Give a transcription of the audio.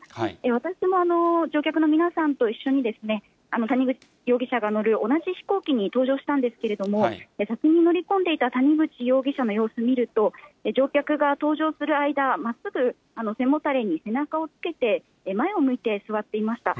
私も乗客の皆さんと一緒にですね、谷口容疑者が乗る同じ飛行機に搭乗したんですけれども、先に乗り込んでいた谷口容疑者の様子見ると、乗客が搭乗する間、まっすぐ背もたれに背中をつけて、前を向いて座っていました。